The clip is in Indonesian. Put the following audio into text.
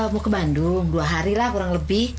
mau ke bandung dua hari lah kurang lebih